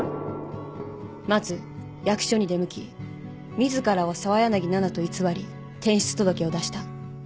まず役所に出向き自らを澤柳菜々と偽り転出届を出した。